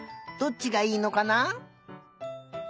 どっちがいいのかな？